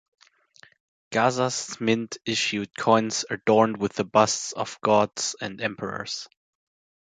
Gaza's mint issued coins adorned with the busts of gods and emperors.